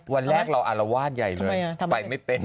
วันแรกเราอารวาสใหญ่เลยไปไม่เป็น